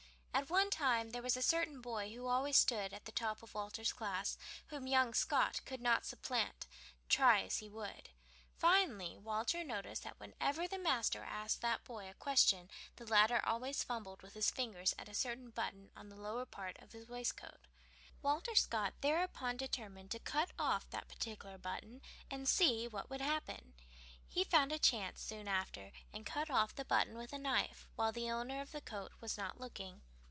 At one time there was a certain boy who always stood at the top of Walter's class whom young Scott could not supplant, try as he would. Finally Walter noticed that whenever the master asked that boy a question the latter always fumbled with his fingers at a certain button on the lower part of his waistcoat. Walter Scott thereupon determined to cut off that particular button, and see what would happen. He found a chance soon after and cut off the button with a knife, while the owner of the coat was not looking.